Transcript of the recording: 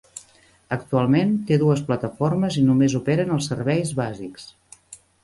Actualment té dues plataformes i només operen els serveis bàsics.